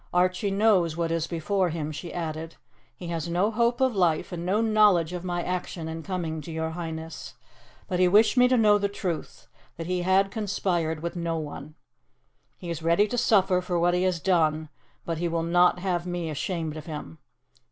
Archie knows what is before him," she added; "he has no hope of life and no knowledge of my action in coming to your Highness. But he wished me to know the truth that he had conspired with no one. He is ready to suffer for what he has done, but he will not have me ashamed of him.